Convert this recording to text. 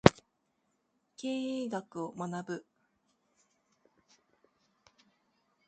経営学を学ぶ